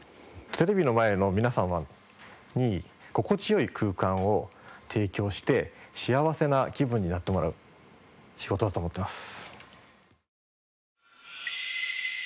テレビの前の皆様に心地よい空間を提供して幸せな気分になってもらう仕事だと思ってます。